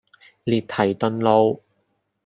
列堤頓道